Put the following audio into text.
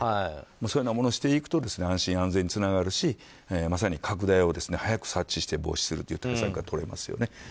そういうものをしていくと安心・安全につながりますしまさに拡大を早く察知して防止するという対策が取れますよね。